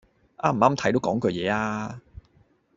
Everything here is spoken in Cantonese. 啱唔啱睇都講句嘢吖